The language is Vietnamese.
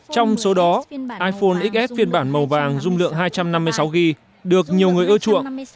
trong số đó iphone xs phiên bản màu vàng dung lượng hai trăm năm mươi sáu g được nhiều người ưa chuộng